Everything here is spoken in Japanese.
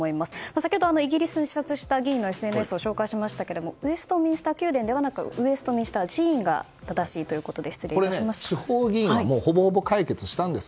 先ほど、イギリスを視察した議員のＳＮＳを紹介しましたけどもウェストミンスター宮殿ではなくウェストミンスター寺院が正しいということでこれ、地方議員ではほぼほぼ解決したんです。